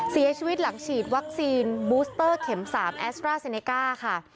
เสียชีวิตหลังฉีดวัคซีนบูสเตอร์เข็ม๓แอสตราเซเนก้าค่ะ